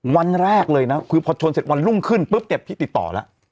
วันแรกเลยนะคือพอชนเสร็จวันรุ่งขึ้นปุ๊บเนี่ยพี่ติดต่อแล้ว